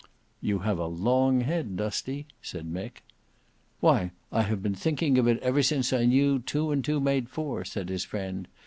"You have a long head, Dusty," said Mick. "Why I have been thinking of it ever since I knew two and two made four," said his friend.